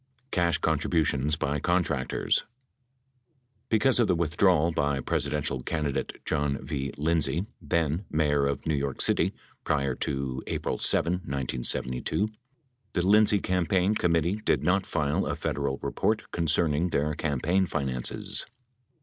CASH CONTRIBUTIONS BY CONTRACTORS Because of the withdrawal by Presidential candidate John V. Lind say, then mayor of New York City, prior to April 7, 1972, the Lind say campaign committee did not file a Federal report concerning their campaign finances.